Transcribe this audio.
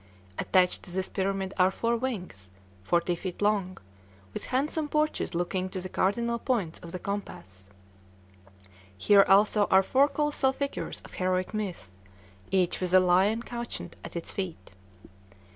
Attached to this pyramid are four wings, forty feet long, with handsome porches looking to the cardinal points of the compass; here also are four colossal figures of heroic myths, each with a lion couchant at its feet.